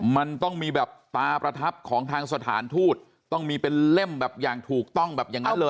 มันต้องมีแบบตาประทับของทางสถานทูตต้องมีเป็นเล่มแบบอย่างถูกต้องแบบอย่างนั้นเลย